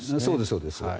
そうです。